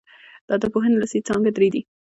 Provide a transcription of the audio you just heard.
د ادبپوهني اصلي څانګي درې دي.